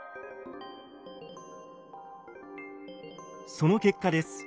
その結果です。